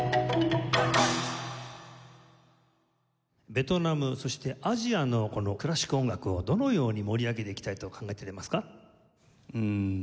ベトナムそしてアジアのこのクラシック音楽をどのように盛り上げていきたいと考えていますか？